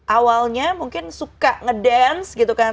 awalnya mungkin suka ngedance gitu kan